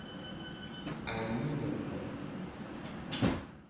Anyi nono.